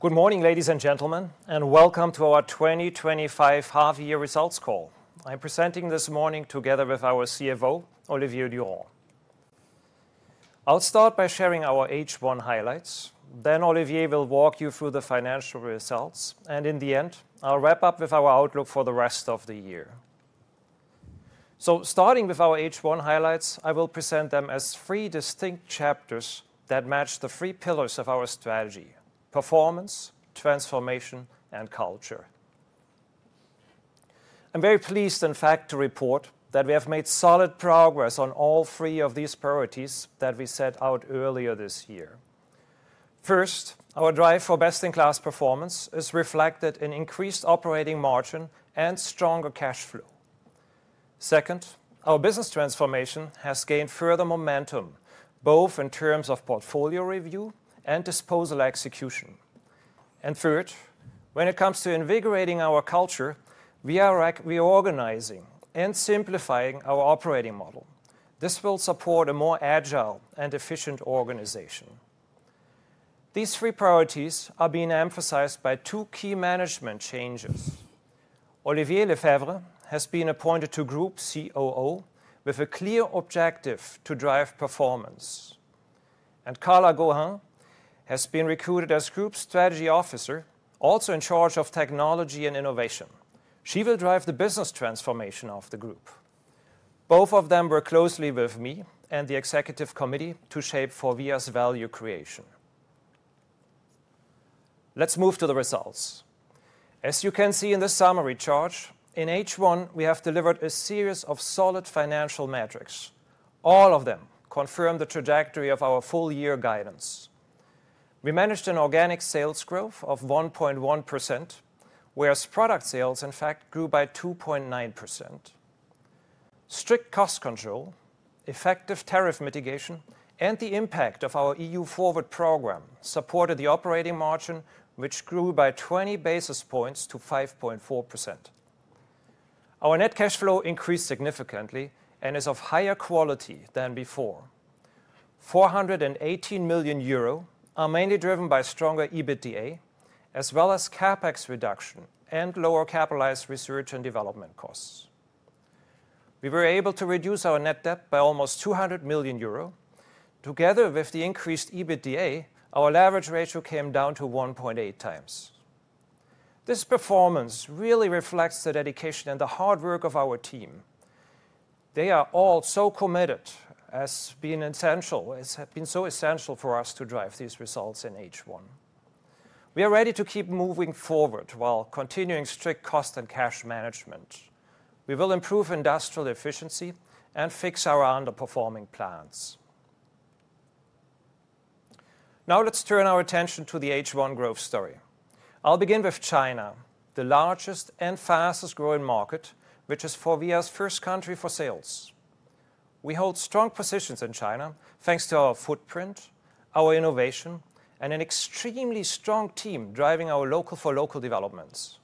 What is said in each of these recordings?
Good morning, ladies and gentlemen, and welcome to our 2025 Half Year Results Call. I'm presenting this morning together with our CFO Olivier Durand. I'll start by sharing our H1 highlights, then Olivier will walk you through the financial results, and in the end I'll wrap up with our outlook for the rest of the year. Starting with our H1 highlights, I will present them as three distinct chapters that match the three pillars of our performance, transformation, and culture. I'm very pleased, in fact, to report that we have made solid progress on all three of these priorities that we set out earlier this year. First, our drive for best-in-class performance is reflected in increased operating margin and stronger cash flow. Second, our business transformation has gained further momentum both in terms of portfolio review and disposal execution. Third, when it comes to invigorating our culture, we are reorganizing and simplifying our operating model. This will support a more agile and efficient organization. These three priorities are being emphasized by two key management changes. Olivier Lefebvre has been appointed to Group COO with a clear objective to drive performance. Carla Gohin has been recruited as Group Strategy Officer, also in charge of technology and innovation. She will drive the business transformation of the group. Both of them work closely with me and the executive committee to shape FORVIA's value creation. Let's move to the results. As you can see in the summary chart, in H1 we have delivered a series of solid financial metrics. All of them confirm the trajectory of our full year guidance. We managed an organic sales growth of 1.1% whereas product sales in fact grew by 2.9%. Strict cost control, effective tariff mitigation, and the impact of our EU Forward program supported the operating margin, which grew by 20 basis points to 5.4%. Our net cash flow increased significantly and is of higher quality than before. 418 million euro are mainly driven by stronger EBITDA as well as CapEx reduction and lower capitalized research and development costs. We were able to reduce our net debt by almost 200 million euro. Together with the increased EBITDA, our leverage ratio came down to 1.8 times. This performance really reflects the dedication and the hard work of our team. They are all so committed and have been so essential for us to drive these results. In H1, we are ready to keep moving forward while continuing strict cost and cash management. We will improve industrial efficiency and fix our underperforming plants. Now let's turn our attention to the H1 growth story. I'll begin with China, the largest and fastest growing market, which is FORVIA's first country for sales. We hold strong positions in China thanks to our footprint, our innovation, and an extremely strong team driving our local for local developments.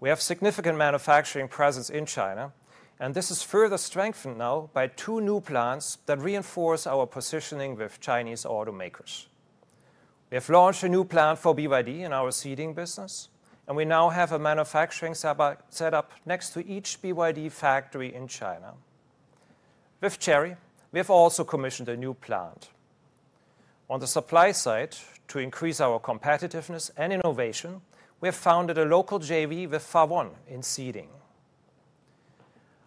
We have significant manufacturing presence in China, and this is further strengthened now by two new plants that reinforce our positioning with Chinese automakers. We have launched a new plant for BYD in our Seating business, and we now have a manufacturing setup next to each BYD factory in China. With Chery, we have also commissioned a new plant. On the supply side, to increase our competitiveness and innovation, we have founded a local JV with FAW in Seating.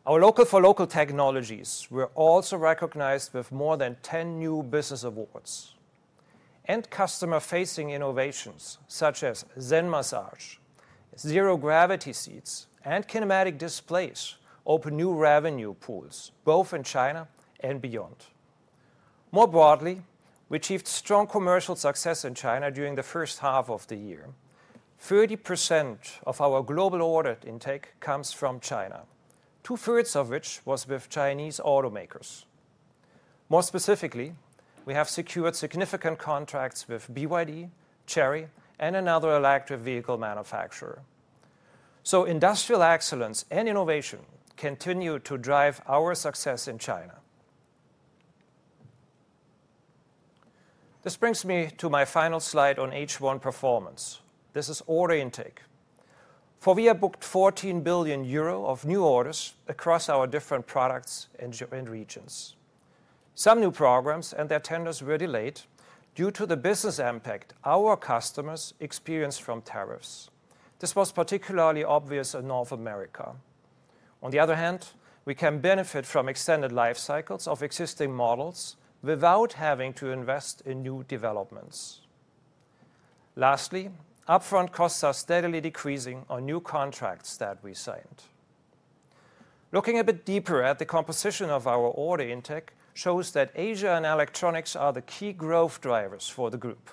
Our local for local technologies were also recognized with more than 10 new business awards, and customer-facing innovations such as Zen massage, zero gravity seats, and kinematic displays open new revenue pools both in China and beyond. More broadly, we achieved strong commercial success in China during the first half of the year. 30% of our global order intake comes from China, two-thirds of which was with Chinese automakers. More specifically, we have secured significant contracts with BYD, Chery, and another electric vehicle manufacturer. Industrial excellence and innovation continue to drive our success in China. This brings me to my final slide on H1 performance. This is order intake. We booked 14 billion euro of new orders across our different products and regions. Some new programs and their tenders were delayed due to the business impact our customers experienced from tariffs. This was particularly obvious in North America. On the other hand, we can benefit from extended life cycles of existing models without having to invest in new developments. Lastly, upfront costs are steadily decreasing on new contracts that we signed. Looking a bit deeper at the composition of our order intake shows that Asia and Electronics are the key growth drivers for the group.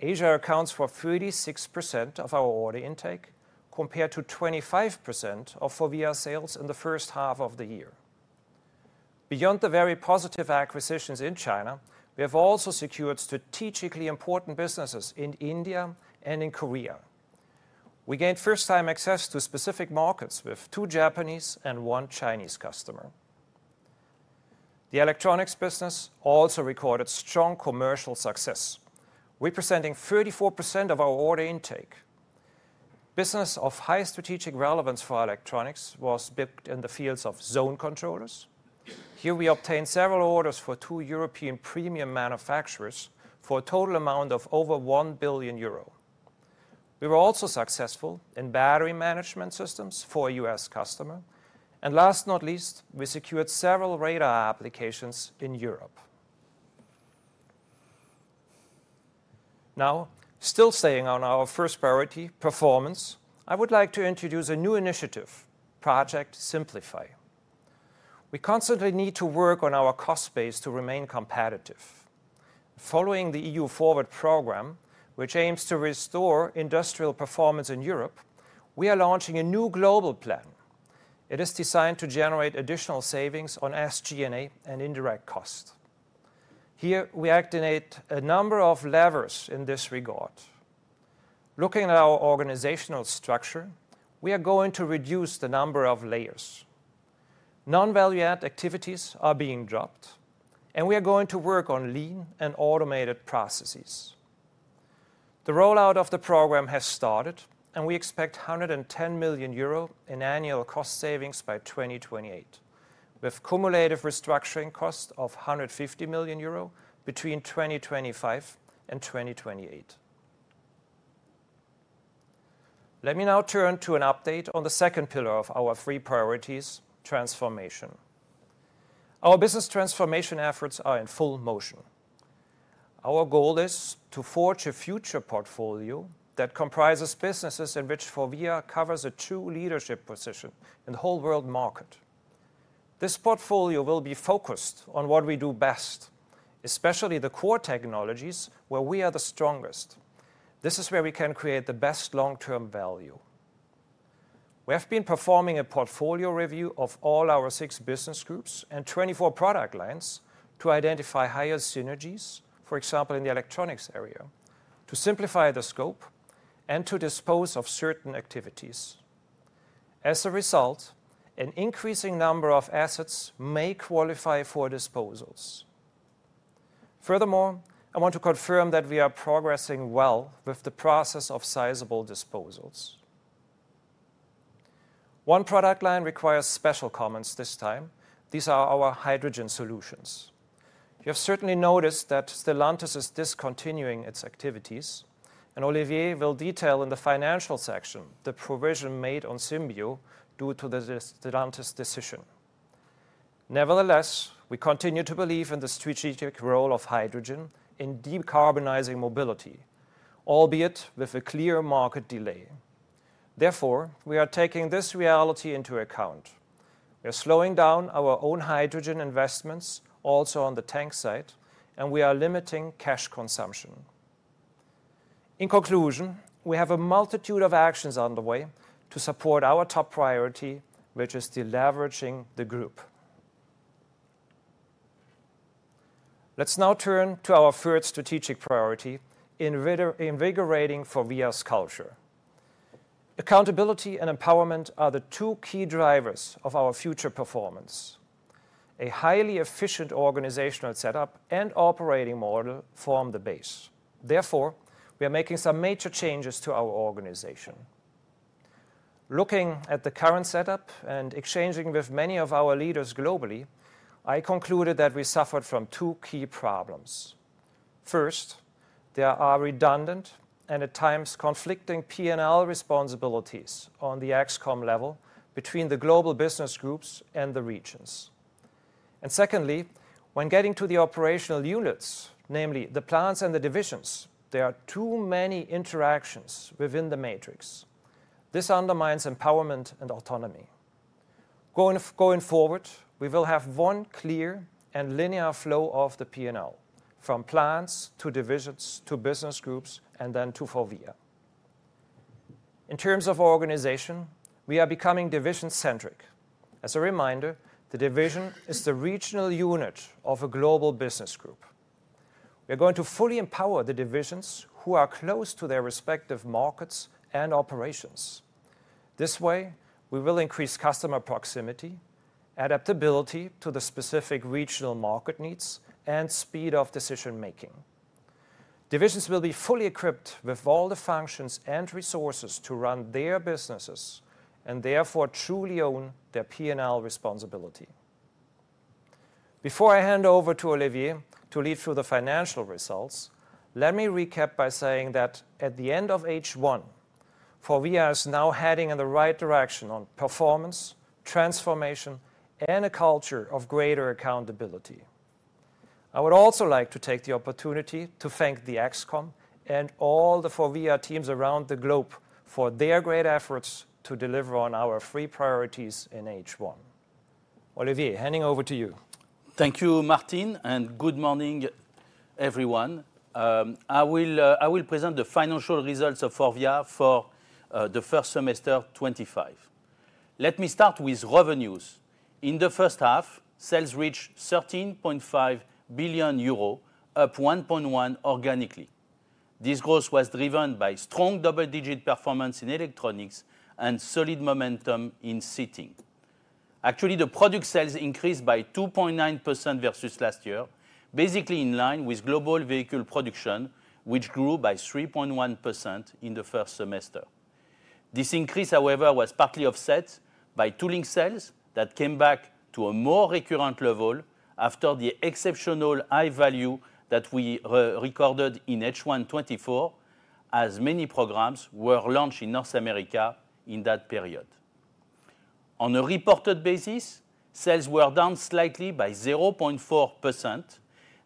Asia accounts for 36% of our order intake compared to 25% of FORVIA sales in the first half of the year. Beyond the very positive acquisitions in China, we have also secured strategically important businesses in India and in Korea. We gained first time access to specific markets with two Japanese and one Chinese customer. The Electronics business also recorded strong commercial success, representing 34% of our order intake. Business of high strategic relevance for Electronics was bipped in the fields of zone controllers. Here, we obtained several orders for two European premium manufacturers for a total amount of over 1 billion euro. We were also successful in battery management systems for a U.S. customer. Last, not least, we secured several radar applications in Europe. Now, still staying on our first priority, performance, I would like to introduce a new initiative, Project Simplify. We constantly need to work on our cost base to remain competitive. Following the EU Forward Program, which aims to restore industrial performance in Europe, we are launching a new global plan. It is designed to generate additional savings on SG&A and indirect cost. Here, we activate a number of levers in this regard. Looking at our organizational structure, we are going to reduce the number of layers, non-value add activities are being dropped, and we are going to work on lean and automated processes. The rollout of the program has started, and we expect 110 million euro in annual cost savings by 2028, with cumulative restructuring costs of 150 million euro between 2025 and 2028. Let me now turn to an update on the second pillar of our three transformation. Our business transformation efforts are in full motion. Our goal is to forge a future portfolio that comprises businesses in which FORVIA covers a true leadership position in the whole world market. This portfolio will be focused on what we do best, especially the core technologies where we are the strongest. This is where we can create the best long-term value. We have been performing a portfolio review of all our six business groups and 24 product lines to identify higher synergies, for example in the Electronics area, to simplify the scope and to dispose of certain activities. As a result, an increasing number of assets may qualify for disposals. Furthermore, I want to confirm that we are progressing well with the process of sizable disposals. One product line requires special comments this time. These are our hydrogen solutions. You have certainly noticed that Stellantis is discontinuing its activities, and Olivier will detail in the financial section the provision made on SYMBIO due to the Stellantis decision. Nevertheless, we continue to believe in the strategic role of hydrogen in decarbonizing mobility, albeit with a clear market delay. Therefore, we are taking this reality into account. We are slowing down our own hydrogen investments also on the tank side, and we are limiting cash consumption. In conclusion, we have a multitude of actions underway to support our top priority, which is deleveraging the group. Let's now turn to our third strategic priority: invigorating FORVIA's culture. Accountability and empowerment are the two key drivers of our future performance. A highly efficient organizational setup and operating model form the base. Therefore, we are making some major changes to our organization. Looking at the current setup and exchanging with many of our leaders globally, I concluded that we suffered from two key problems. First, there are redundant and at times conflicting P&L responsibilities on the EXCOMM level between the global business groups and the regions. Secondly, when getting to the operational units, namely the plants and the divisions, there are too many interactions within the matrix. This undermines empowerment and autonomy. Going forward, we will have one clear and linear flow of the P&L from plants to divisions to business groups and then to FORVIA. In terms of organization, we are becoming division-centric. As a reminder, the division is the regional unit of a global business group. We are going to fully empower the divisions who are close to their respective markets and operations. This way we will increase customer proximity, adaptability to the specific regional market needs, and speed of decision making. Divisions will be fully equipped with all the functions and resources to run their businesses and therefore truly own their P&L responsibility. Before I hand over to Olivier to lead through the financial results, let me recap by saying that at the end of H1, FORVIA is now heading in the right direction on performance, transformation, and a culture of greater accountability. I would also like to take the opportunity to thank the EXCOMM and all the FORVIA teams around the globe for their great efforts to deliver on our three priorities in H1. Olivier, handing over to you. Thank you Martin and good morning everyone. I will present the financial results of FORVIA for the first semester 2025. Let me start with revenues. In the first half, sales reached 13.5 billion euro, up 1.1% organically. This growth was driven by strong double-digit performance in Electronics and solid momentum in Seating. Actually, the product sales increased by 2.9% versus last year, basically in line with global vehicle production which grew by 3.1% in the first semester. This increase, however, was partly offset by tooling sales that came back to a more recurrent level after the exceptionally high value that we recorded in H1 2024, as many programs were launched in North America in that period. On a reported basis, sales were down slightly by 0.4%.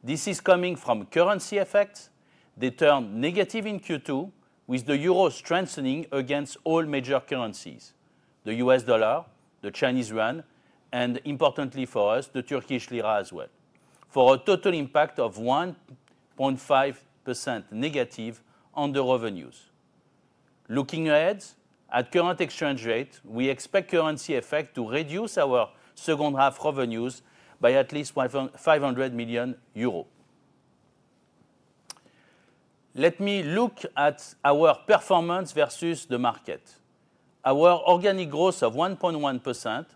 This is coming from currency effects. They turned negative in Q2 with the euro strengthening against all major currencies: the U.S.dollar, the Chinese yuan, and importantly for us, the Turkish lira as well, for a total impact of 1.5% negative on the revenues. Looking ahead at current exchange rates, we expect currency effect to reduce our second half revenues by at least 500 million euros. Let me look at our performance versus the market. Our organic growth of 1.1%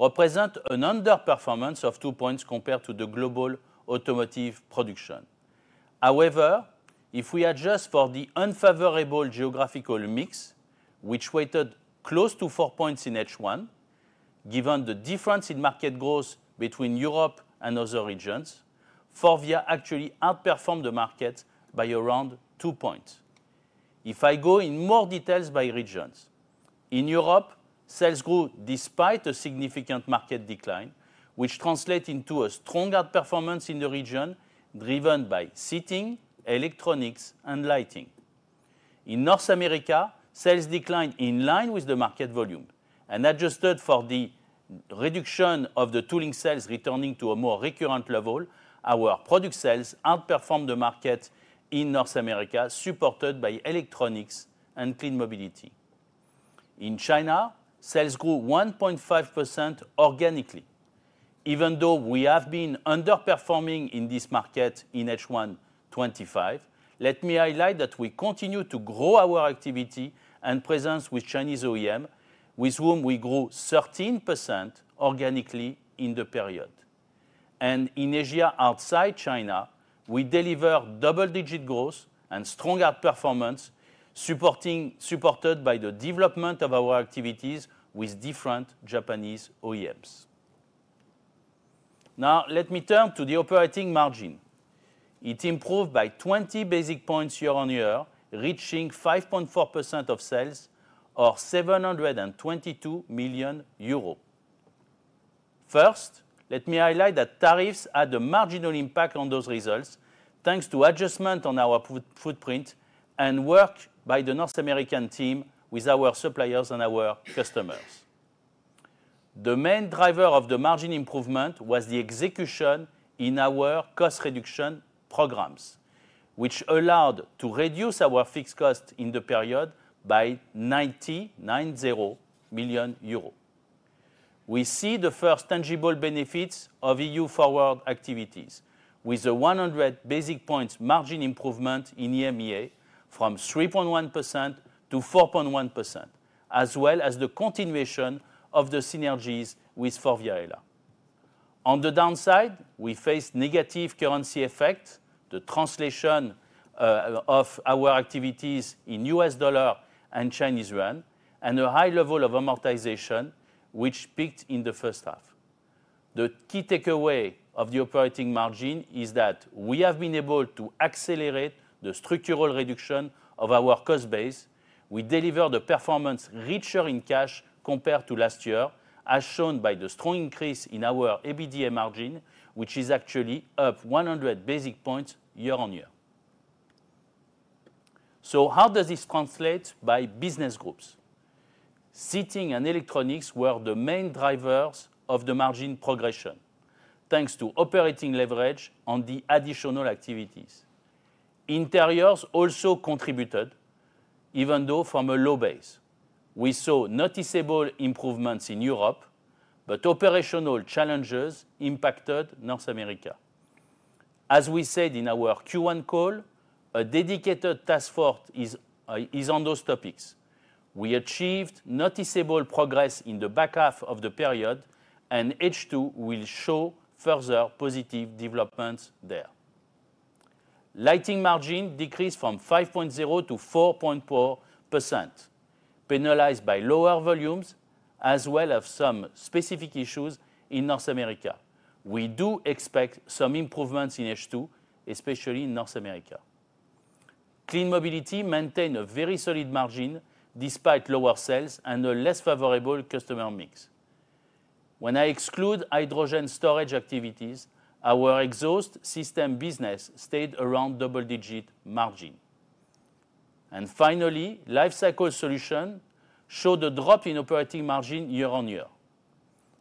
represents an underperformance of 2 points compared to the global automotive production. However, if we adjust for the unfavorable geographical mix, which weighted close to 4 points in H1 given the difference in market growth between Europe and other regions, FORVIA actually outperformed the market by around 2 points. If I go in more detail by regions, in Europe, sales grew despite a significant market decline, which translates into a strong outperformance in the region driven by Seating, Electronics, and Lighting. In North America, sales declined in line with the market volume and, adjusted for the reduction of the tooling sales returning to a more recurrent level, our product sales outperformed the market in North America supported by Electronics and Clean Mobility. In China, sales grew 1.5% organically. Even though we have been underperforming in this market in H1, let me highlight that we continue to grow our activity and presence with Chinese OEMs, with whom we grew 13% organically in the period. In Asia outside China, we delivered double-digit growth and stronger performance supported by the development of our activities with different Japanese OEMs. Now let me turn to the operating margin. It improved by 20 basis points year on year, reaching 5.4% of sales or 722 million euros. First, let me highlight that tariffs had a marginal impact on those results thanks to adjustments on our footprint and work by the North American team with our suppliers and our customers. The main driver of the margin improvement was the execution in our cost reduction programs, which allowed us to reduce our fixed cost in the period by 9.90 million euros. We see the first tangible benefits of EU Forward activities with a 100 basis points margin improvement in EMEA from 3.1% to 4.1%, as well as the continuation of the synergies with FORVIA. On the downside, we face negative currency effect, the translation of our activities in U.S. dollar and Chinese Yuan, and a high level of amortization which peaked in the first half. The key takeaway of the operating margin is that we have been able to accelerate the structural reduction of our cost base. We delivered a performance richer in cash compared to last year as shown by the strong increase in our EBITDA margin, which is actually up 100 basis points year on year. How does this translate by business groups? Seating and Electronics were the main drivers of the margin progression thanks to operating leverage on the additional activities. Interiors also contributed even though from a low base. We saw noticeable improvements in Europe, but operational challenges impacted North America. As we said in our Q1 call, a dedicated task force is on those topics. We achieved noticeable progress in the back half of the period and H2 will show further positive developments there. Lighting margin decreased from 5.0% to 4.4%, penalized by lower volumes as well as some specific issues in North America. We do expect some improvements in H2, especially in North America. Clean Mobility maintained a very solid margin despite lower sales and a less favorable customer mix. When I exclude hydrogen storage activities, our exhaust system business stayed around double digit margin and finally Life Cycle Solutions showed a drop in operating margin year on year.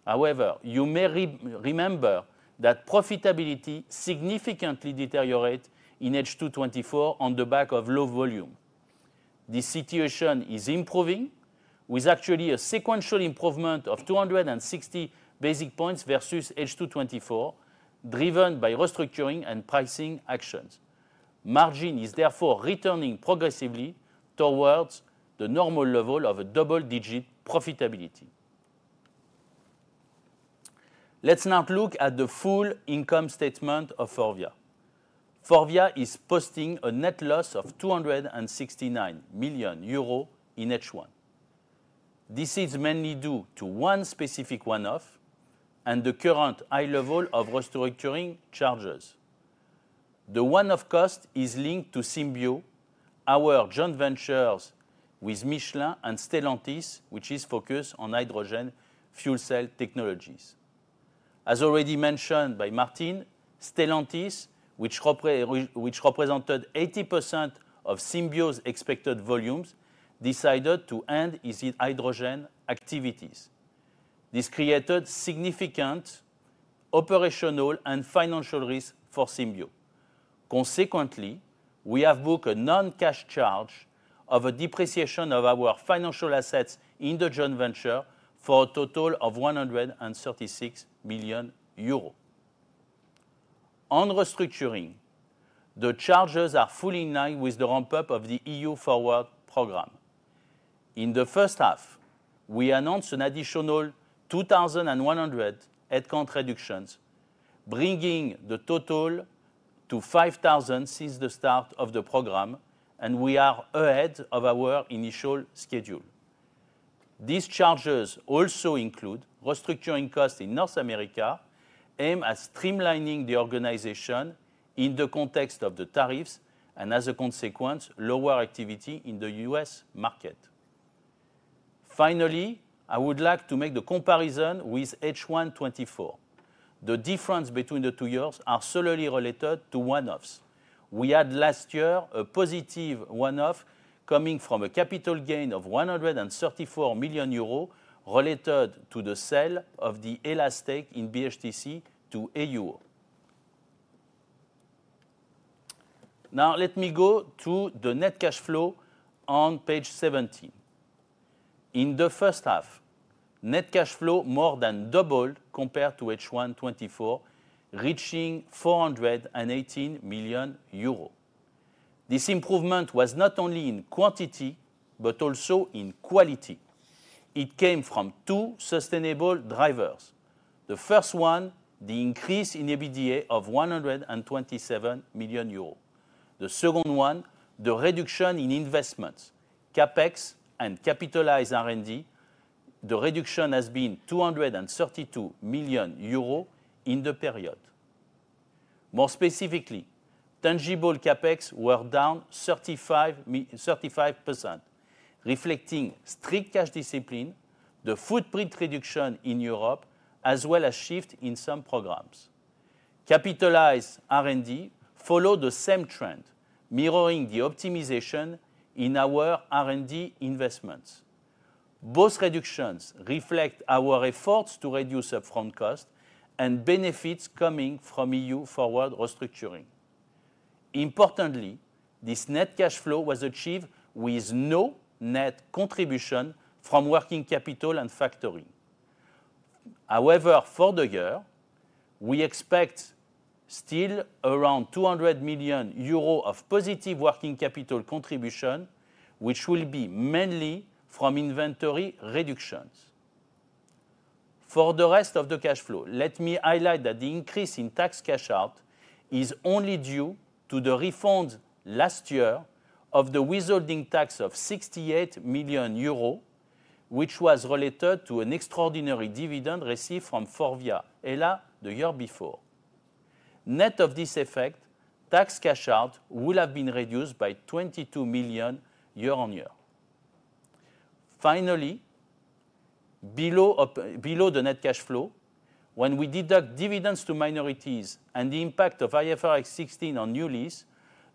However, you may remember that profitability significantly deteriorates in H2 2024 on the back of low volume. The situation is improving with actually a sequential improvement of 260 basis points versus H2 2024, driven by restructuring and pricing actions. Margin is therefore returning progressively towards the normal level of a double digit profitability. Let's now look at the full income statement of FORVIA. FORVIA is posting a net loss of 269 million euros in H1. This is mainly due to one specific one-off and the current high level of restructuring charges. The one-off cost is linked to SYMBIO, our joint venture with Michelin and Stellantis, which is focused on hydrogen fuel cell technologies. As already mentioned by Martin, Stellantis, which represented 80% of SYMBIO's expected volumes, decided to end its hydrogen activities. This created significant operational and financial risk for SYMBIO. Consequently, we have booked a non-cash charge of a depreciation of our financial assets in the joint venture for a total of 136 million euros. On restructuring, the charges are fully in line with the ramp-up of the EU Forward program. In the first half, we announced an additional 2,100 headcount reductions, bringing the total to 5,000 since the start of the program, and we are ahead of our initial schedule. These charges also include restructuring costs in North America aimed at streamlining the organization in the context of the tariffs and as a consequence, lower activity in the U.S. market. Finally, I would like to make the comparison with H1 2024. The difference between the two years is solely related to one-offs. We had last year a positive one-off coming from a capital gain of 134 million euros related to the sale of the stake in BHTC to AU. Now let me go to the net cash flow on page 17. In the first half, net cash flow more than doubled compared to H1 2024, reaching 418 million euros. This improvement was not only in quantity but also in quality. It came from two sustainable drivers. The first one, the increase in EBITDA of 127 million euros. The second one, the reduction in investments, CAPEX, and capitalized R&D. The reduction has been 232 million euros in the period. More specifically, tangible CAPEX were down 35%, reflecting strict cash discipline. The footprint reduction in Europe as well as shift in some programs' capitalized R&D followed the same trend, mirroring the optimization in our R&D investments. Both reductions reflect our efforts to reduce upfront costs and benefits coming from EU Forward restructuring. Importantly, this net cash flow was achieved with no net contribution from working capital and factory. However, for the year, we expect still around 200 million euro of positive working capital contribution, which will be mainly from inventory reductions. For the rest of the cash flow, let me highlight that the increase in tax cash out is only due to the refund last year of the withholding tax of 68 million euros, which was related to an extraordinary dividend received from FORVIA Hella the year before. Net of this effect, tax cash out would have been reduced by 22 million year on year. Finally, below the net cash flow, when we deduct dividends to minorities and the impact of IFRS 16 on new lease,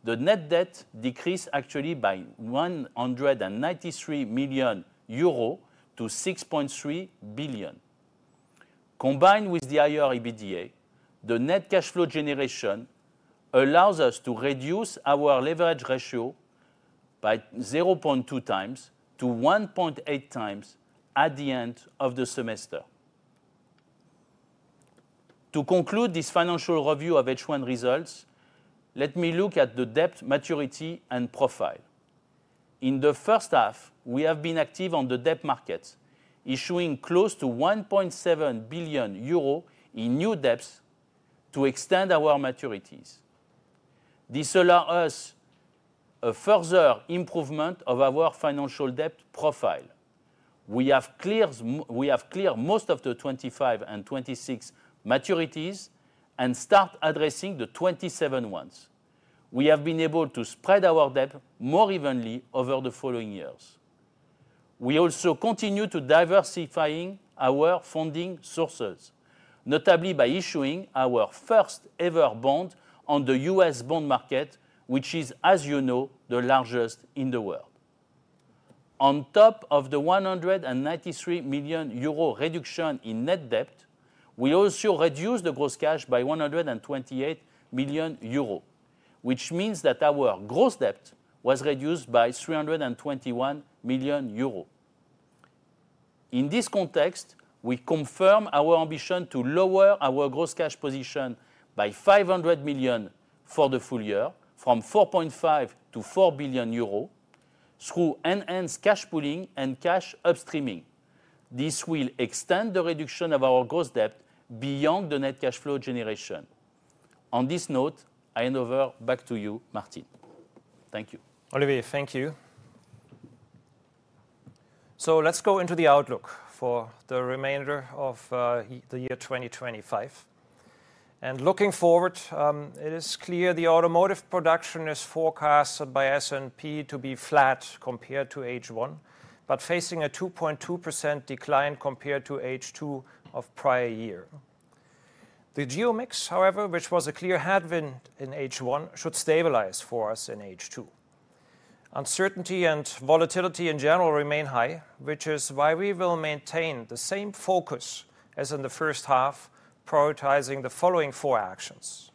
the net debt decreased actually by 193 million euro to 6.3 billion. Combined with the higher EBITDA, the net cash flow generation allows us to reduce our leverage ratio by 0.2 times to 1.8 times at the end of the semester. To conclude this financial review of H1 results, let me look at the debt maturity and profile. In the first half, we have been active on the debt market, issuing close to 1.7 billion euro in new debts to extend our maturities. This allows us a further improvement of our financial debt profile. We have cleared most of the 2025 and 2026 maturities and start addressing the 2027 ones. We have been able to spread our debt more evenly over the following years. We also continue to diversify our funding sources, notably by issuing our first ever bond on the U.S. bond market, which is, as you know, the largest in the world. On top of the EUR 193 million reduction in net debt, we also reduced the gross cash by 128 million euros, which means that our gross debt was reduced by 321 million euros. In this context, we confirm our ambition to lower our gross cash position by 500 million for the full year from 4.5 billion to 4 billion euro through enhanced cash pooling and cash upstreaming. This will extend the reduction of our gross debt beyond the net cash flow generation. On this note, I hand over back to you, Martin. Thank you. Olivier, thank you. Let's go into the outlook for the remainder of the year 2025 and looking forward, it is clear the automotive production is forecasted by S&P Global to be flat compared to H1, but facing a 2.2% decline compared to H2 of prior year. The geomix, however, which was a clear headwind in H1, should stabilize for us in H2. Uncertainty and volatility in general remain high, which is why we will maintain the same focus as in the first half, prioritizing the following four actions.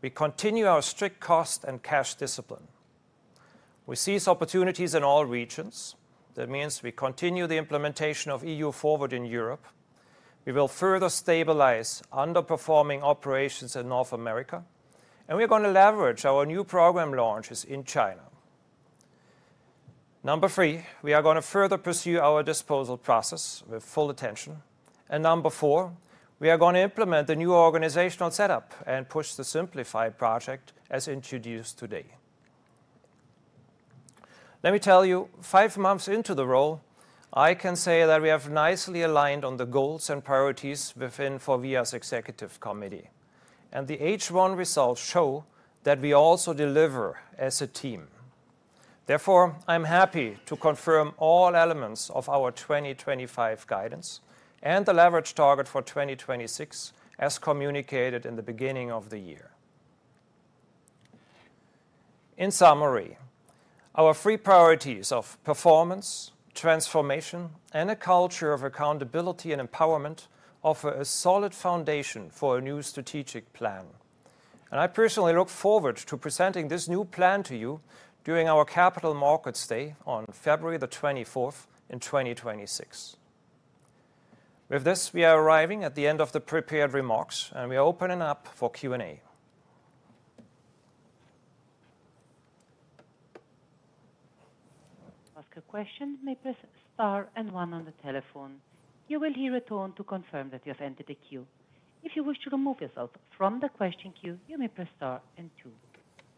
We continue our strict cost and cash discipline. We seize opportunities in all regions. That means we continue the implementation of EU Forward in Europe, we will further stabilize underperforming operations in North America, and we are going to leverage our new program launches in China. Number three, we are going to further pursue our disposal process with full attention. Number four, we are going to implement the new organizational setup and push the simplified project as introduced today. Let me tell you, five months into the role, I can say that we have nicely aligned on the goals and priorities within FORVIA's Executive Committee and the H1 results show that we also deliver as a team. Therefore, I'm happy to confirm all elements of our 2025 guidance and the leverage target for 2026 as communicated in the beginning of the year. In summary, our three priorities of performance, transformation, and a culture of accountability and empowerment offer a solid foundation for a new strategic plan. I personally look forward to presenting this new plan to you during our Capital Markets Day on February 24, 2026. With this, we are arriving at the end of the prepared remarks and we are opening up for Q&A. Press star and one on the telephone you will hear a tone to confirm that you have entered the queue. If you wish to remove yourself from the question queue, you may press star and two.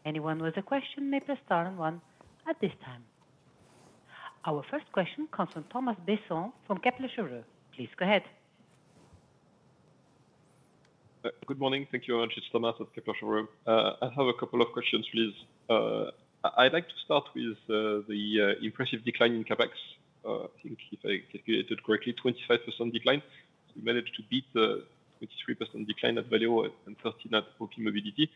Anyone who has a question may press star and one at this time. Our first question comes from Thomas Besson from Kepler Cheuvreux. Please go ahead. Good morning. Thank you very much. It's Thomas at Kepler Cheuvreux. I have a couple of questions, please. I'd like to start with the impressive decline in CapEx. If I calculated correctly, 25% decline, we managed to beat the 3% decline at Valeo and 13% at Clean Mobility.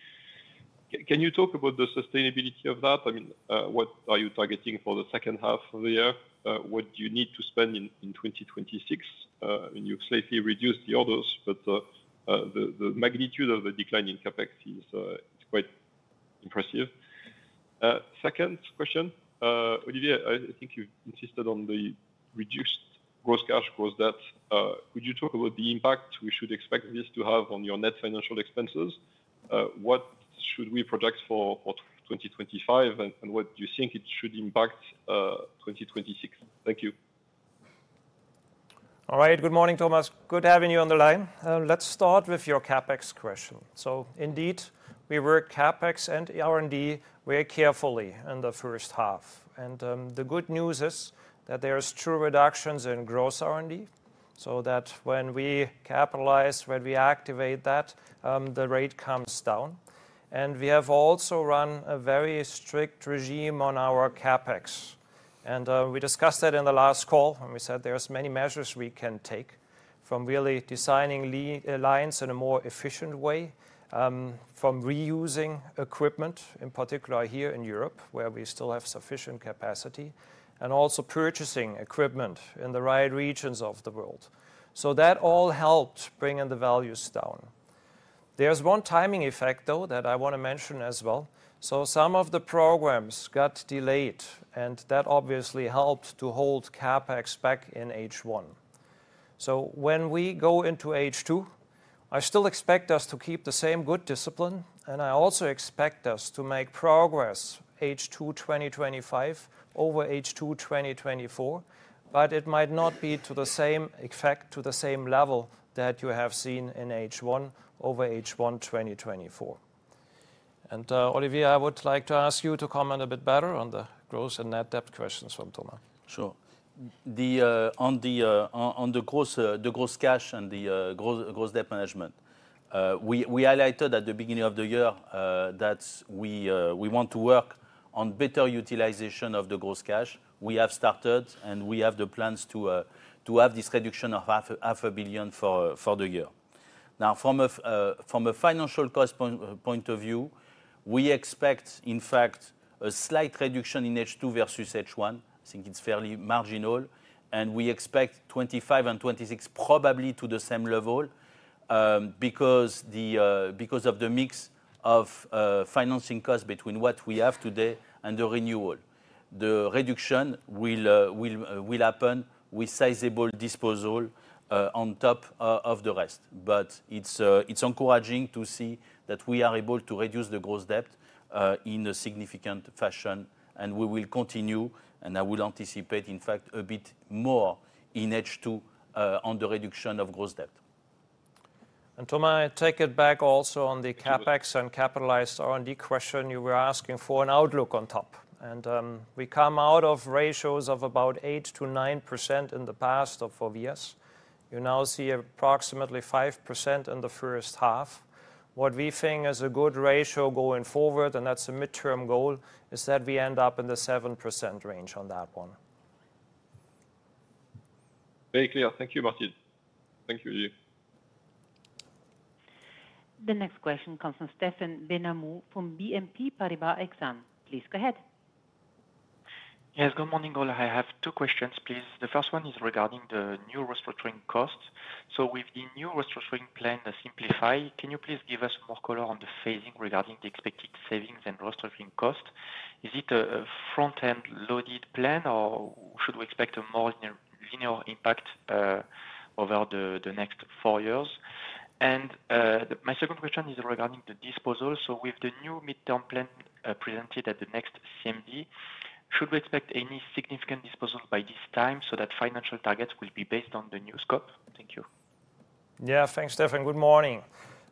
Can you talk about the sustainability of that? I mean, what are you targeting for the second half of the year? What do you need to spend in 2026? You've slightly reduced the orders, but the magnitude of the decline in CapEx is quite impressive. Second question, Olivier, I think you insisted on the reduced gross cash, gross debt. Could you talk about the impact we should expect this to have on your net financial expenses? What should we project for 2025 and what do you think it should impact 2026? Thank you. Alright, good morning, Thomas. Good having you on the line. Let's start with your CAPEX question. Indeed, we work CAPEX and R&D very carefully in the first half. The good news is that there are true reductions in gross R&D, so that when we capitalize, when we activate, the rate comes down. We have also run a very strict regime on our CAPEX. We discussed that in the last call and said there are many measures we can take, from really designing lines in a more efficient way, from reusing equipment, in particular here in Europe where we still have sufficient capacity, and also purchasing equipment in the right regions of the world. That all helped bring the values down. There is one timing effect I want to mention as well. Some of the programs got delayed and that obviously helped to hold CAPEX back in H1. When we go into H2, I still expect us to keep the same good discipline and I also expect us to make progress H2 2025 over H2 2024. It might not be to the same effect, to the same level that you have seen in H1 over H1 2024. Olivier, I would like to ask you to comment a bit better on the growth and net debt questions from Thomas. Sure. On the gross cash and the gross debt management, we highlighted at the beginning of the year that we want to work on better utilization of the gross cash. We have started and we have the plans to have this reduction of $0.5 billion for the year. Now, from a financial cost point of view, we expect in fact a slight reduction in H2 versus H1. I think it's fairly marginal, and we expect 2025 and 2026 probably to the same level because of the mix of financing costs between what we have today and the renewal. The reduction will happen with sizable disposal on top of the rest. It's encouraging to see that we are able to reduce the gross debt in a significant fashion and we will continue. I would anticipate in fact a bit more in H2 on the reduction of gross debt. To take it back also on the CAPEX and capitalized R&D question, you were asking for an outlook on top and we come out of ratios of about 8% to 9% in the past four years. You now see approximately 5% in the first half. What we think is a good ratio going forward, and that's a midterm goal, is that we end up in the 7% range on that one. Very clear. Thank you, Martin. Thank you. The next question comes from Stephen Benhamou from BNP Paribas Exane. Please go ahead. Yes, good morning all. I have two questions please. The first one is regarding the new restructuring cost. With the new restructuring plan Simplify, can you please give us more color on the phasing regarding the expected savings and restructuring cost? Is it a front end loaded plan or should we expect a more linear impact over the next four years? My second question is regarding the disposal. With the new midterm plan presented at the next CMD, should we expect any significant disposal by this time so that financial targets will be based on the new scope? Thank you. Yeah, thanks Stephen. Good morning.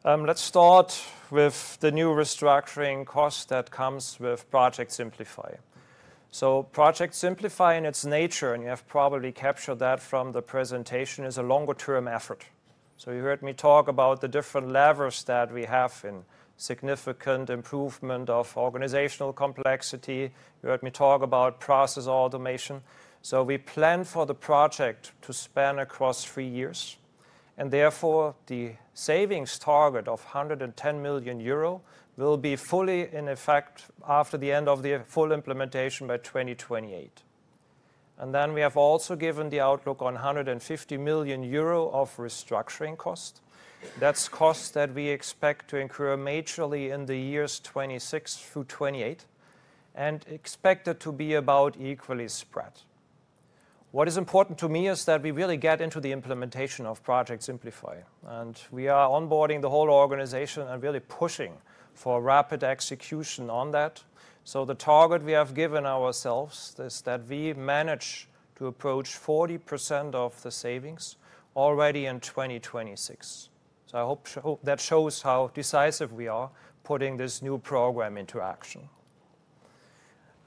Let's start with the new restructuring cost that comes with Project Simplify. Project Simplify in its nature, and you have probably captured that from the presentation, is a longer term effort. You heard me talk about the different levers that we have in significant improvement of organizational complexity. You heard me talk about process automation. We plan for the project to span across three years and therefore the savings target of 110 million euro will be fully in effect after the end of the full implementation by 2028. We have also given the outlook on 150 million euro of restructuring cost. That's cost that we expect to incur majorly in the years 2026 through 2028 and expect it to be about equally spread. What is important to me is that we really get into the implementation of Project Simplify and we are onboarding the whole organization and really pushing for rapid execution on that. The target we have given ourselves is that we manage to approach 40% of the savings already in 2026. I hope that shows how decisive we are putting this new program into action.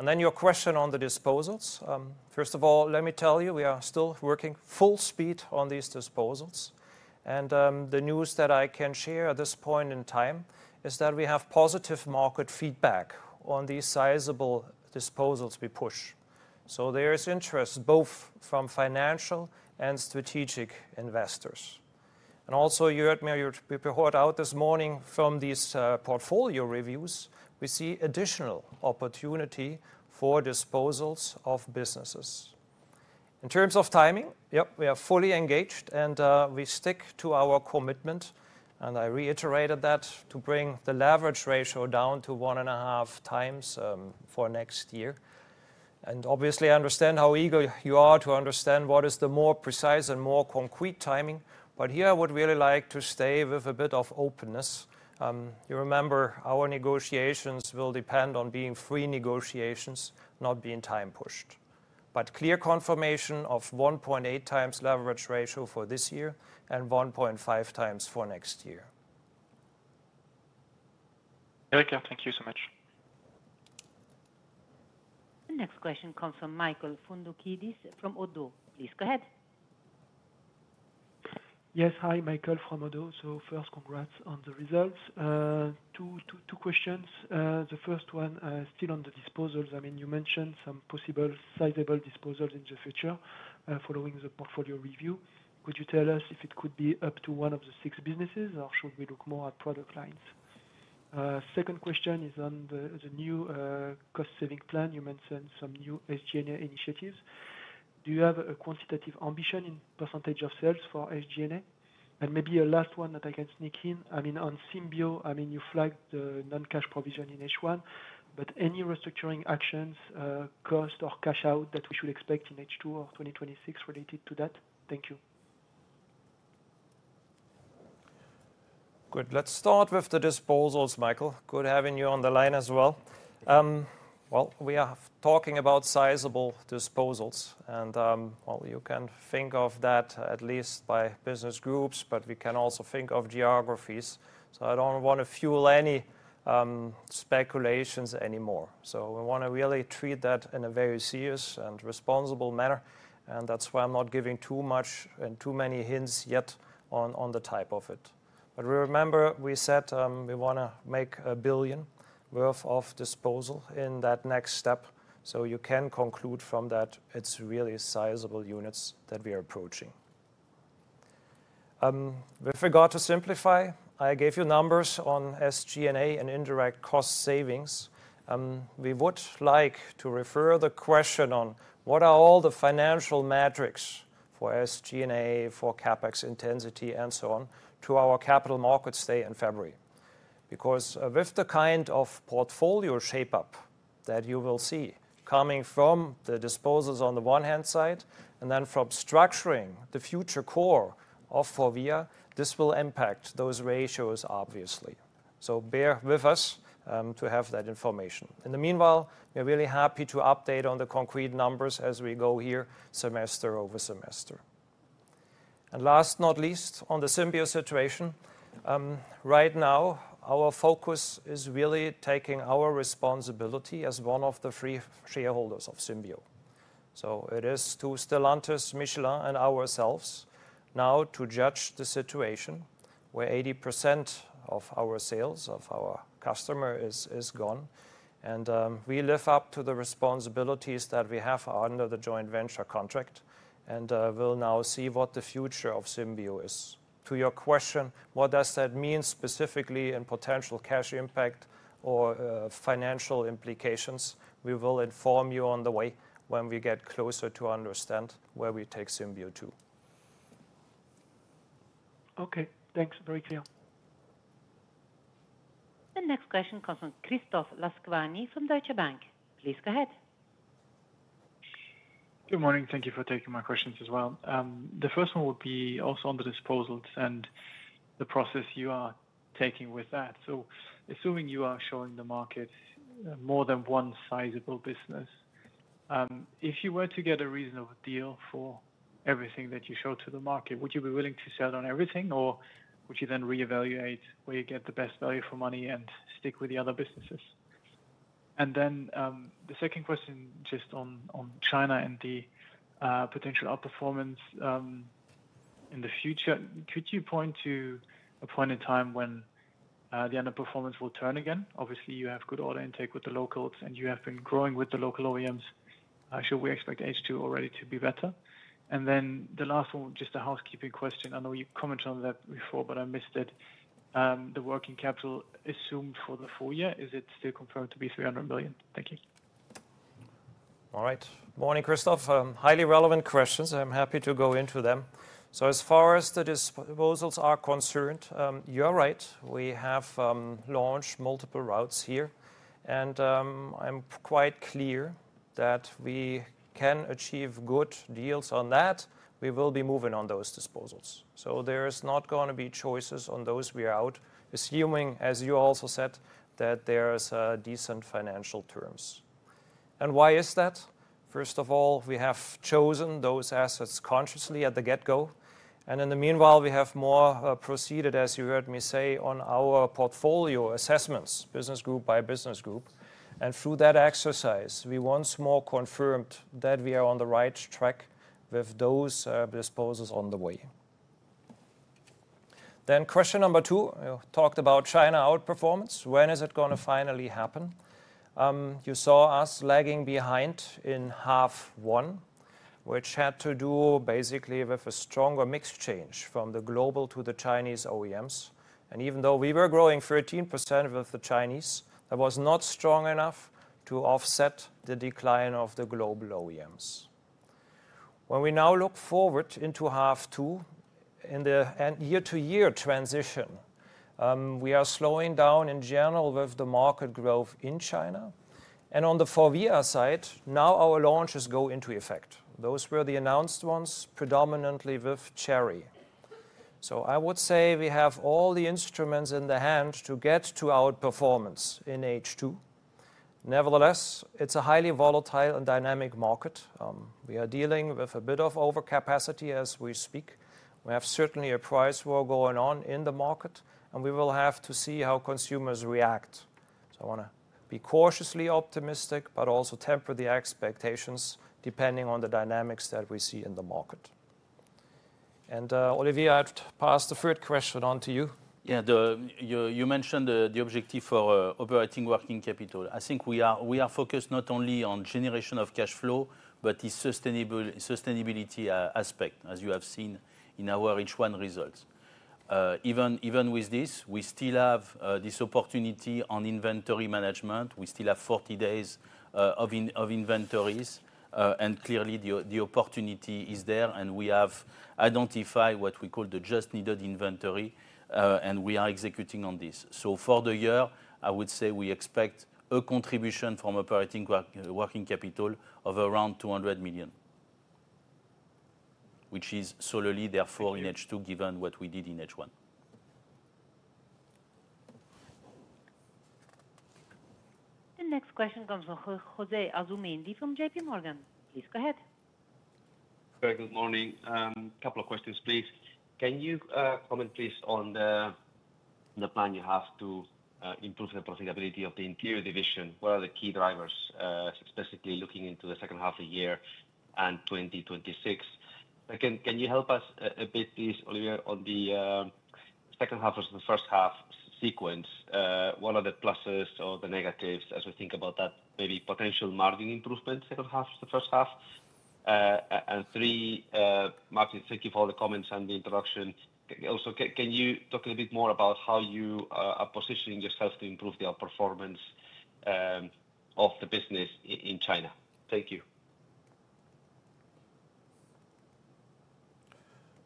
Your question on the disposals. First of all, let me tell you, we are still working full speed on these disposals. The news that I can share at this point in time is that we have positive market feedback on these sizable disposals. We push so there is interest both from financial and strategic investors. You heard me out this morning from these portfolio reviews, we see additional opportunity for disposals of businesses. In terms of timing, we are fully engaged and we stick to our commitment. I reiterated that to bring the leverage ratio down to 1.5 times for next year. Obviously I understand how eager you are to understand what is the more precise and more concrete timing. Here I would really like to stay with a bit of openness. You remember our negotiations will depend on being free negotiations, not being time pushed but clear confirmation of 1.8 times leverage ratio for this year and 1.5 times for next year. Alright, thank you so much. The next question comes from Michael Foundoukidis from Oddo. Please go ahead. Yes, hi, Michael from Oddo. First, congrats on the results. Two questions. The first one still on the disposals. You mentioned some possible sizable disposals in the future following the portfolio review. Could you tell us if it could be up to one of the six businesses or should we look more at product lines? Second question is on the new cost saving plan. You mentioned some new SG&A initiatives. Do you have a quantitative ambition in % of sales for SG&A? Maybe a last one that I can sneak in. On SYMBIO, you flagged the non-cash provision in H1, but any restructuring actions, cost, or cash out that we should expect in H2 or 2026 related to that? Thank you. Good. Let's start with the disposals. Michael, good having you on the line as well. We are talking about sizable disposals and you can think of that at least by business groups, but we can also think of geographies. I don't want to fuel any speculations anymore. We want to really treat that in a very serious and responsible manner. That's why I'm not giving too much and too many hints yet on the type of it. Remember we said we want to make $1 billion worth of disposal in that next step. You can conclude from that it's really sizable units that we are approaching. With regard to simplify, I gave you numbers on SG&A and indirect cost savings. We would like to refer the question on what are all the financial metrics for SG&A, for CapEx intensity, and so on to our Capital Markets Day in February because with the kind of portfolio shape up that you will see coming from the disposals on the one hand side and then from structuring the Future Core of FORVIA, this will impact those ratios obviously. Bear with us to have that information. In the meanwhile, we're really happy to update on the concrete numbers as we go here semester over semester. Last, not least, on the SYMBIO situation. Right now our focus is really taking our responsibility as one of the three shareholders of SYMBIO. It is to Stellantis, Michelin, and ourselves now to judge the situation where 80% of our sales of our customer is gone, and we live up to the responsibilities that we have under the joint venture contract. We'll now see what the future of SYMBIO is. To your question, what does that mean specifically in potential cash impact or financial implications? We will inform you on the way when we get closer to understand where we take SYMBIO II. Okay, thanks. Very clear. The next question comes from Christoph Laskawi from Deutsche Bank. Please go ahead. Good morning. Thank you for taking my questions as well. The first one would be also on the disposals and the process you are taking with that. Assuming you are showing the market more than one sizable business, if you were to get a reasonable deal for everything that you show to the market, would you be willing to sell on everything or would you then reevaluate where you get the best value for money and stick with the other businesses? The second question just on China and the potential outperformance in the future, could you point to a point in time when the underperformance will turn again? Obviously you have good order intake with the locals and you have been growing with the local OEMs. Should we expect H2 already to be better? The last one, just a housekeeping question. I know you commented on that before but I missed it. The working capital assumed for the full year, is it still confirmed to be $300 million? Thank you. All right. Morning Christoph. Highly relevant questions, I'm happy to go into them. As far as the disposals are concerned, you're right. We have launched multiple routes here, and I'm quite clear that we can achieve good deals on that. We will be moving on those disposals, so there is not going to be choices on those. We are out assuming, as you also said, that there are decent financial terms. Why is that? First of all, we have chosen those assets consciously at the get-go, and in the meanwhile we have more proceeded, as you heard me say, on our portfolio assessments, business group by business group. Through that exercise, we once more confirmed that we are on the right track with those disposals on the way. Question number two talked about China outperformance. When is it going to finally happen? You saw us lagging behind in half one, which had to do basically with a stronger mix change from the global to the Chinese OEMs. Even though we were growing 13% with the Chinese, that was not strong enough to offset the decline of the global OEMs. When we now look forward into half two in the year-to-year transition, we are slowing down in general with the market growth in China. On the FORVIA side, now our launches go into effect. Those were the announced ones, predominantly with Chery. I would say we have all the instruments in hand to get to our performance in H2. Nevertheless, it's a highly volatile and dynamic market. We are dealing with a bit of overcapacity as we speak. We have certainly a price war going on in the market, and we will have to see how consumers react. I want to be cautiously optimistic, but also temper the expectations depending on the dynamics that we see in the market. Olivier, I've passed the third question on to you. Yeah, you mentioned the objective for operating working capital. I think we are focused not only on generation of cash flow, but the sustainability aspect, as you have seen in our H1 results. Even with this, we still have this opportunity on inventory management. We still have 40 days of inventories, and clearly the opportunity is there and we have identified what we call the just needed inventory and we are executing on this. For the year, I would say we expect a contribution from operating working capital of around 200 million, which is solely therefore in H2, given what we did in H1. The next question comes from José Asumendi from JPMorgan. Please go ahead. Very good morning. A couple of questions, please. Can you comment please on the plan you have to improve the profitability of the Interiors Division? What are the key drivers specifically looking into the second half of the year and 2026? Can you help us a bit please? Olivier, on the second half of the first half sequence, what are the pluses or the negatives? As we think about that, maybe potential margin improvement. Second half, the first half and three. Martin, thank you for the comments and the introduction. Also, can you talk a bit more about how you are positioning yourself to improve the outperformance of the business in China? Thank you.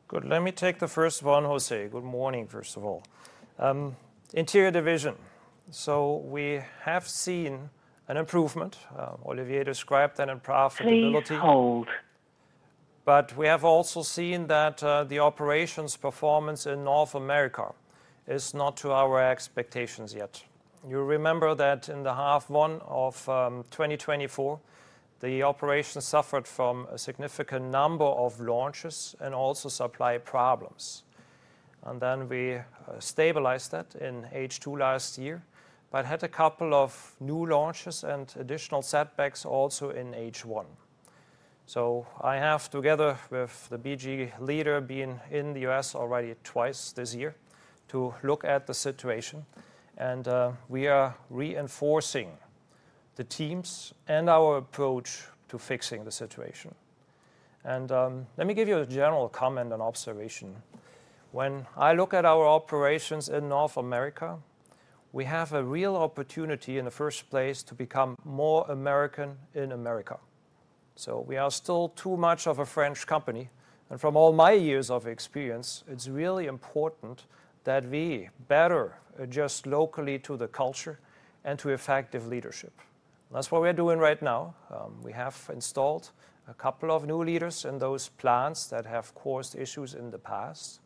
Good. Let me take the first one. José, good morning. First of all, Interior division. We have seen an improvement. Olivier described that in profitability. We have also seen that the operations performance in North America is not to our expectations yet. You remember that in the half one of 2024, the operation suffered from a significant number of launches and also supply problems. We stabilized that in H2 last year, but had a couple of new launches and additional setbacks also in H1. I have, together with the BG leader, been in the U.S. already twice this year to look at the situation. We are reinforcing the teams and our approach to fixing the situation. Let me give you a general comment and observation. When I look at our operations in North America, we have a real opportunity in the first place to become more American in America. We are still too much of a French company. From all my years of experience, it's really important that we better adjust locally to the culture and to effective leadership. That's what we're doing right now. We have installed a couple of new leaders in those plants that have caused issues in the past.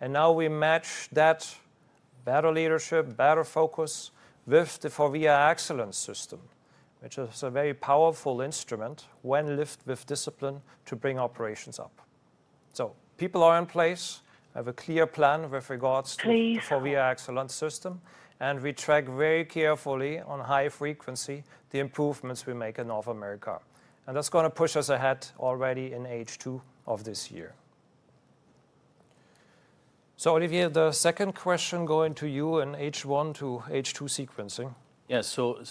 Now we match that better leadership, better focus with the FORVIA excellence system, which is a very powerful instrument when lived with discipline to bring operations up. People are in place, have a clear plan with regards for the excellence system. We track very carefully on high frequency the improvements we make in North America. That's going to push us ahead already in H2 of this year. Olivier, the second question going to you in H1 to H2 sequencing. Yes. The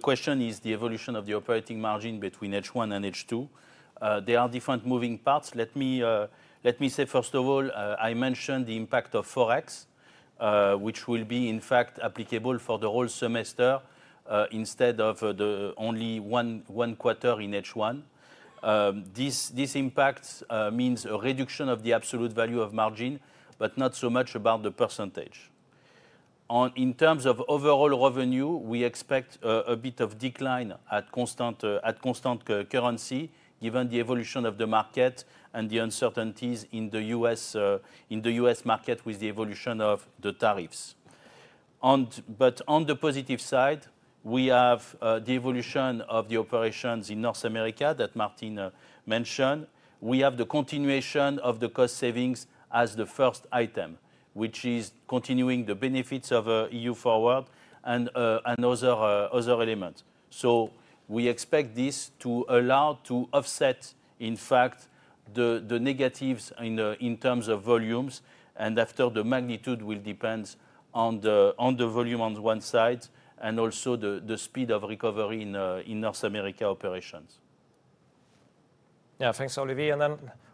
question is the evolution of the operating margin between H1 and H2. There are different moving parts. Let me say first of all I mentioned the impact of Forex, which will be in fact applicable for the whole semester instead of only one quarter in H1. This impact means a reduction of the absolute value of margin, but not so much about the % in terms of overall revenue. We expect a bit of decline at constant currency given the evolution of the market and the uncertainties in the U.S. market with the evolution of the tariffs. On the positive side, we have the evolution of the operations in North America that Martin mentioned. We have the continuation of the cost savings as the first item, which is cost continuing the benefits of EU Forward and other elements. We expect this to allow to offset in fact the negatives in terms of volumes, and after, the magnitude will depend on the volume on one side and also the speed of recovery in North America operations. Yeah, thanks Olivier.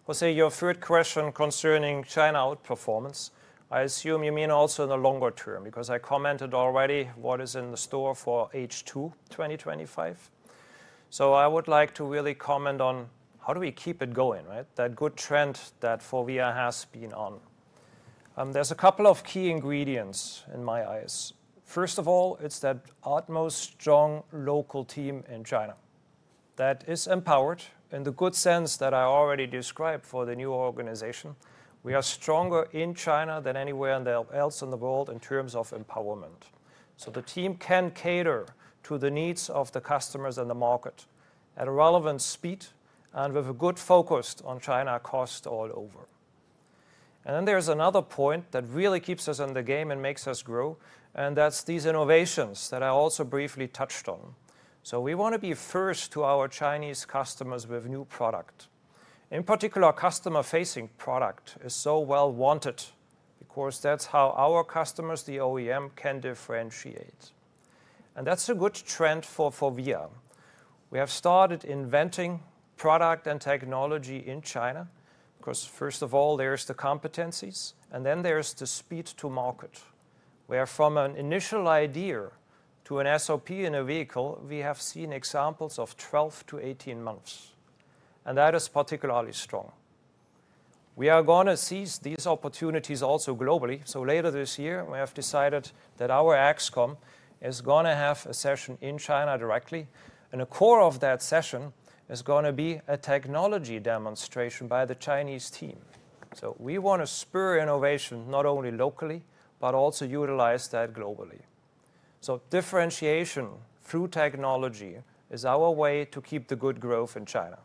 José, your third question concerning China outperformance, I assume you mean also in the longer term because I commented already what is in the store for H2 2025. I would like to really comment on how do we keep it going right. That good trend that FORVIA has been on. There are a couple of key ingredients in my eyes. First of all, it's that utmost strong local team in China that is empowered in the good sense that I already described for the new organization. We are stronger in China than anywhere else in the world in terms of empowerment. The team can cater to the needs of the customers and the market at a relevant speed and with a good focus on China cost all over. There is another point that really keeps us in the game and makes us grow and that's these innovations that I also briefly touched on. We want to be first to our Chinese customers with new product in particular. Customer facing product is so well wanted because that's how our customers, the OEM, can differentiate and that's a good trend for FORVIA. We have started inventing product and technology in China because first of all there's the competencies and then there's the speed to market where from an initial idea to an SOP in a vehicle, we have seen examples of 12 to 18 months and that is particularly strong. We are going to seize these opportunities also globally. Later this year we have decided that our EXCOMM is going to have a session in China directly and the core of that session is going to be a technology demonstration by the Chinese team. We want to spur innovation not only locally but also utilize that globally. Differentiation through technology is our way to keep the good growth in China.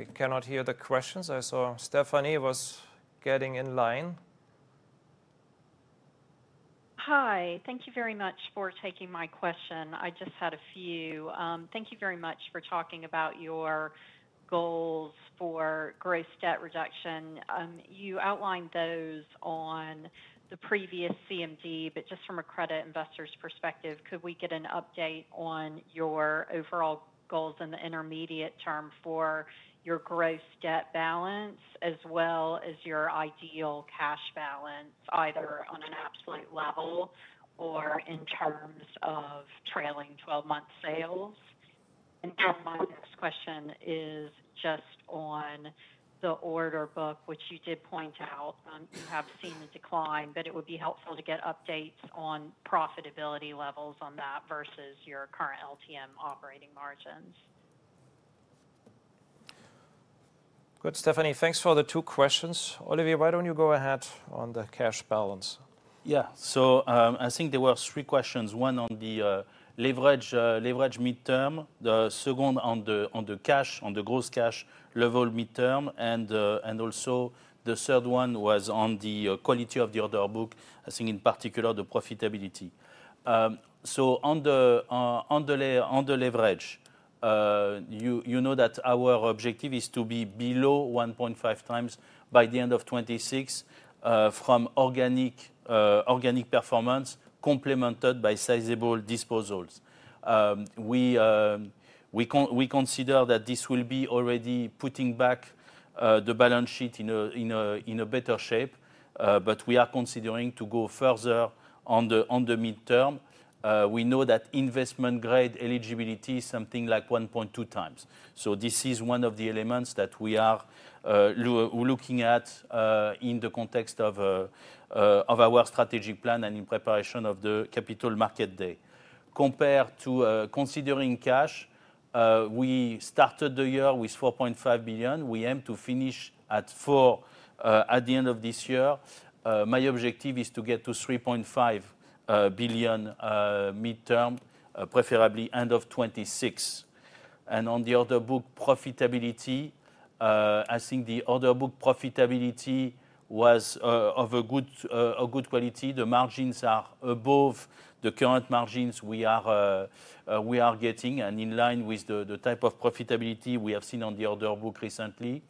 Okay, we cannot hear the questions. I saw Stephanie was getting in line. Hi, thank you very much for taking my question. I just had a few. Thank you very much for talking about your goals for gross debt reduction. You outlined those on the previous CMD, but just from a credit investors perspective, could we get an update on your overall goals in the intermediate term for your gross debt balance as well as your ideal cash balance either on an absolute level or in terms of trailing 12 month sales. My next question is just on the order book which you did point out you have seen the decline, but it would be helpful to get updates on profitability levels on that versus your current LTM operating margins. Good, Stephanie, thanks for the two questions. Olivier, why don't you go ahead on the cash balance. Yeah, so I think there were three questions. One on the leverage, leverage mid term, the second on the cash on the gross cash level mid term, and also the third one was on the quality of the order book, I think in particular the profitability. On the leverage, you know that our objective is to be below 1.5 times by the end of 2026 from organic performance complemented by sizable disposals. We consider that this will be already putting back the balance sheet in a better shape. We are considering to go further on the mid term. We know that investment grade eligibility is something like 1.2 times. This is one of the elements that we are looking at in the context of our strategic plan and in preparation of the capital market day. Compared to considering cash, we started the year with 4.5 billion. We aim to finish at 4 billion at the end of this year. My objective is to get to 3.5 billion mid term, preferably end of 2026. On the order book profitability, I think the order book profitability was of a good quality. The margins are above the current margins we are getting and in line with the type of profitability we have seen on the order book recently.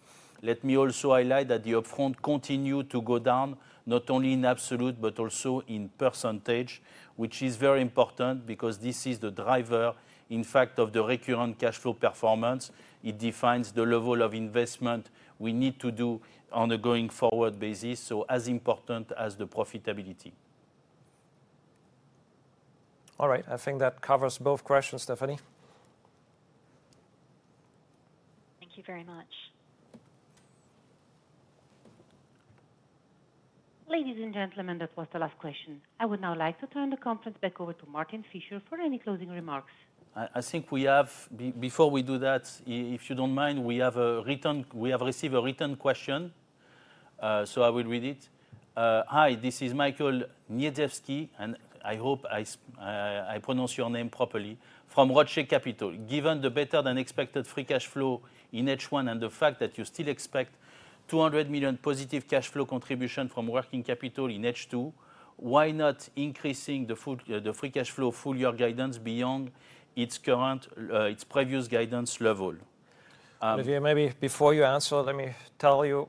Let me also highlight that the upfront continue to go down not only in absolute but also in percentage, which is very important because this is the driver in fact of the recurrent cash flow performance. It defines the level of investment we need to do on a going forward basis. As important as the profitability. All right, I think that covers both questions. Stephanie. Thank you very much. Ladies and gentlemen. That was the last question. I would now like to turn the conference back over to Martin Fischer for any closing remarks. I think before we do that, if you don't mind, we have received a written question, so I will read it. Hi, this is Michael Niedzielski, and I hope I pronounce your name properly, from ROCE Capital. Given the better than expected free cash flow in H1 and the fact that you still expect $200 million positive cash flow contribution from working capital in H2, why not increasing the free cash flow full year guidance beyond its current, its previous guidance level? Olivier, maybe before you answer, let me tell you.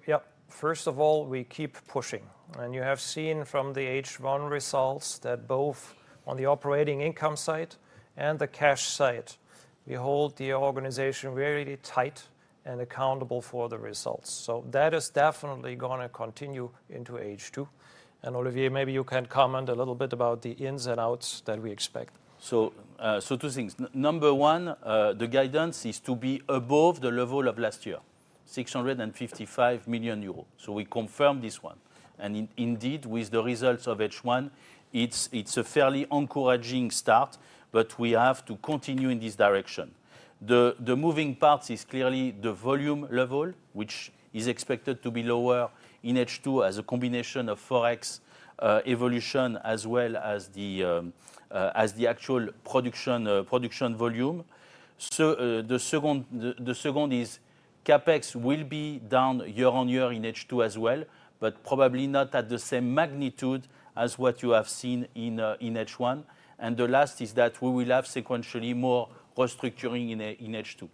First of all, we keep pushing and you have seen from the H1 results that both on the operating income side and the cash side, we hold the organization really tight and accountable for the results. That is definitely going to continue into H2. Olivier, maybe you can comment a little bit about the ins and outs that we expect. Two things. Number one, the guidance is to be above the level of last year, 655 million euros. We confirm this one and indeed with the results of H1 it's a fairly encouraging start, but we have to continue in this direction. The moving parts are clearly the volume level, which is expected to be lower in H2 as a combination of forex evolution as well as the actual production volume. The second is CAPEX will be down year on year in H2 as well, but probably not at the same magnitude as what you have seen in H1. The last is that we will have sequentially more restructuring in H2,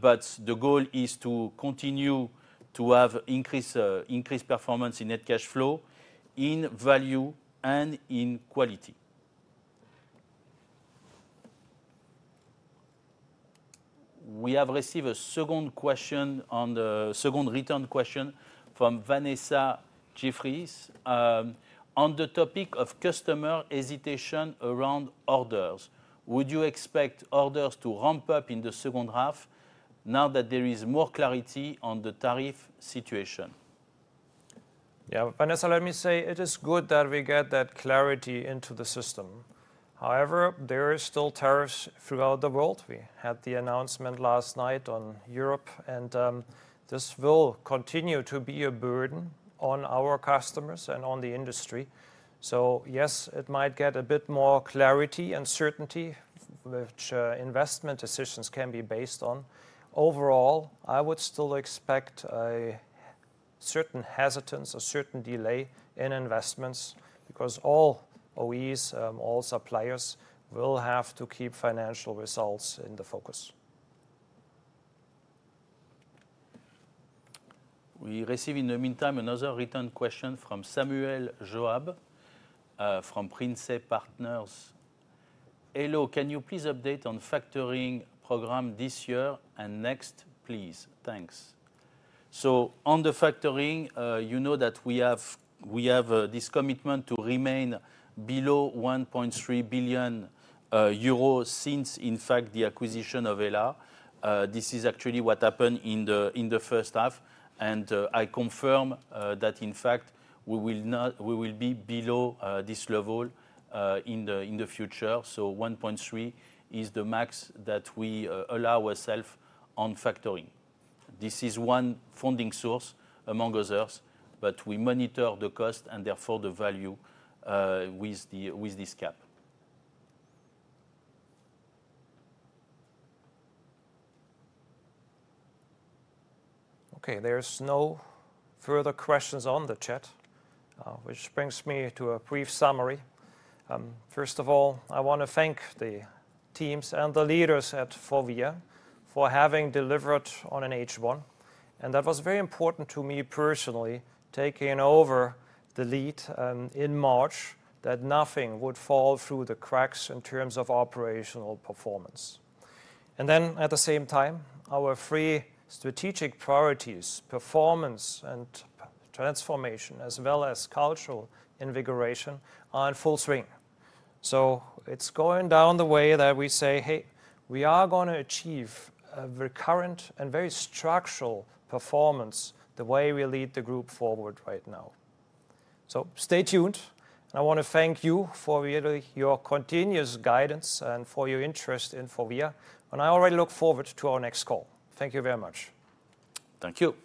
but the goal is to continue to have increased performance in net cash flow, in value, and in quality. We have received a second question on the second return question from Vanessa Jeffries on the topic of customer hesitation around orders. Would you expect orders to ramp up in the second half now that there is more clarity on the tariff situation. Vanessa, let me say it is good that we get that clarity into the system. However, there are still tariffs throughout the world. We had the announcement last night on Europe, and this will continue to be a burden on our customers and on the industry. Yes, it might get a bit more clarity and certainty which investment decisions can be based on. Overall, I would still expect a certain hesitance, a certain delay in investments because all OEMs, all suppliers will have to keep financial results in the focus. We receive. In the meantime, another written question from Samuel Joab from Prince Partners. Hello. Can you please update on factoring program this year and next, please. Thanks. On the factoring, you know that we have this commitment to remain below 1.3 billion euros since, in fact, the acquisition of Hella. This is actually what happened in the first half. I confirm that, in fact, we will be below this level in the future. 1.3 billion is the max that we allow ourselves on factoring. This is one funding source among others. We monitor the cost and therefore the value with this cap. Okay, there's no further questions on the chat, which brings me to a brief summary. First of all, I want to thank the teams and the leaders at FORVIA for having delivered on an H1. That was very important to me personally, taking over the lead in March, that nothing would fall through the cracks in terms of operational performance. At the same time, our three strategic priorities, performance and transformation, as well as cultural invigoration, are in full swing. It's going down the way that we say, hey, we are going to achieve a recurrent and very structural performance the way we lead the group forward right now. Stay tuned. I want to thank you for really your continuous guidance and for your interest in FORVIA. I already look forward to our next call. Thank you very much. Thank you.